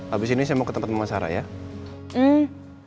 abis ini saya mau ke tempat pemasaran